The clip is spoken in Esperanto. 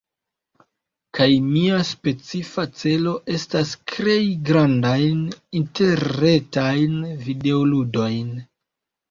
kaj mia specifa celo estas krei grandajn interretajn videoludojn.